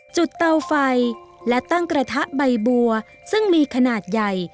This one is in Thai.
เตาไฟและตั้งกระทะใบบัวซึ่งมีขนาดใหญ่